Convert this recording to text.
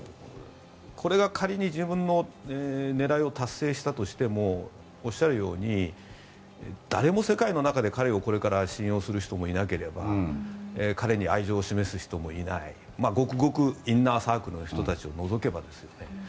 これが仮に自分の狙いを達成したとしてもおっしゃるように誰も世界の中で彼をこれから信用する人もいなければ彼に愛情を示す人もいないごくごくインナーサークルの人たちを除けばですよね。